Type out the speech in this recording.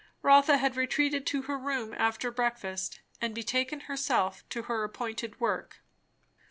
Rotha had retreated to her room after breakfast and betaken herself to her appointed work.